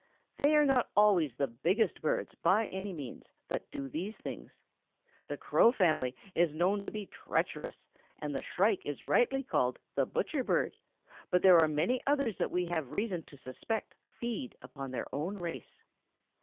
They are not always the biggest birds, by any means, that do these things. The crow family is known to be treacherous, and the shrike is rightly called the 'butcher bird,' but there are many others that we have reason to suspect feed upon their own race."